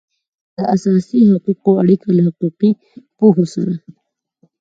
د اساسي حقوقو اړیکه له حقوقي پوهو سره